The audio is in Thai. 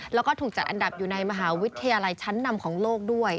แล้วก็ถูกจัดอันดับอยู่ในมหาวิทยาลัยชั้นนำของโลกด้วย